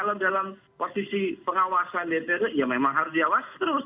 kalau dalam posisi pengawasan dprd ya memang harus diawas terus